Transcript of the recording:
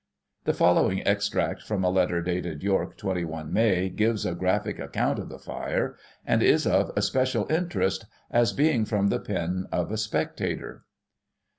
The following extract from a letter dated York, 21 May, gives a graphic account of the fire, and is of especial interest, as being from the pen of a spectator.